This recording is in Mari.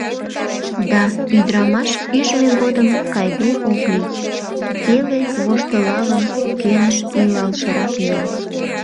— Да, ӱдрамаш ӱжмӧ годым кайде ок лий, — пеле воштылалын, кӧныш илалшырак еҥ.